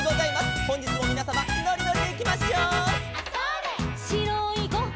「ほんじつもみなさまのりのりでいきましょう」